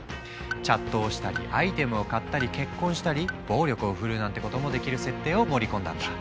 チャットをしたりアイテムを買ったり結婚したり暴力を振るうなんてこともできる設定を盛り込んだんだ。